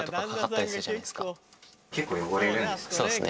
結構汚れるんですね。